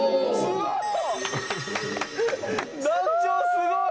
「すごーい！」